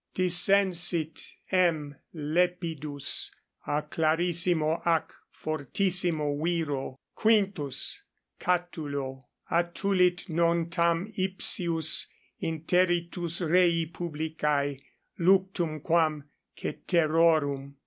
Dissensit M. Lepidus a clarissimo ac fortissimo viro Q. Catulo: attulit non tam ipsius interitus rei publicae luctum quam ceterorum.